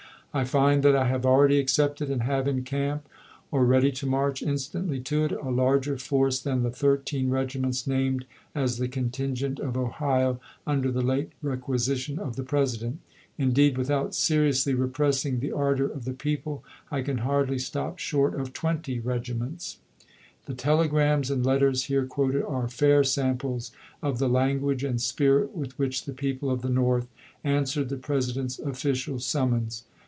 " I find that I have already accepted and have in camp, or ready to march instantly to it, a larger force than the thir teen regiments named as the contingent of Ohio under the late requisition of the President. Indeed, without seriously repressing the ardor of the peo ple, I can hardly stop short of twenty regiments." THE NATIONAL UPEISING 87 The telegrams and letters here quoted are fair chap. v. samples of the language and spirit with which the people of the North answered the President's official summons.